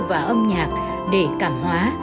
và âm nhạc để cảm hóa